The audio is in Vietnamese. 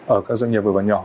ở các doanh nghiệp vừa và nhỏ